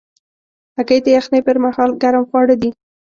هګۍ د یخنۍ پر مهال ګرم خواړه دي.